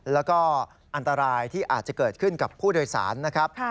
แล้วก็อันตรายที่อาจจะเกิดขึ้นกับผู้โดยสารนะครับ